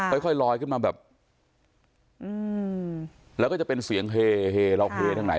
ค่อยค่อยลอยขึ้นมาแบบแล้วก็จะเป็นเสียงเฮเฮเราเฮทั้งไหน